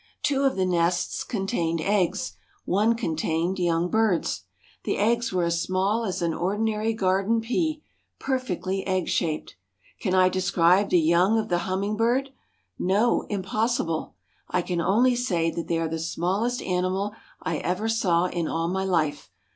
Two of the nests contained eggs; one contained young birds. The eggs were as small as an ordinary garden pea—perfectly egg shaped. Can I describe the young of the hummingbird? No, impossible. I can only say that they are the smallest animal I ever saw in all my life.